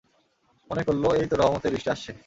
মনে করল—এই তো রহমতের বৃষ্টি আসছে।